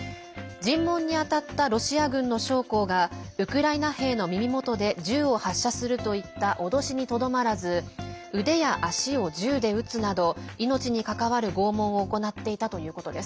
尋問に当たったロシア軍の将校がウクライナ兵の耳元で銃を発射するといった脅しにとどまらず腕や足を銃で撃つなど命に関わる拷問を行っていたということです。